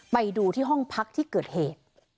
ไปดูที่ห้องพักที่เกิดเหตุ